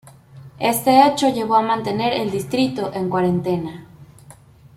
Este hecho llevó a mantener el distrito en cuarentena.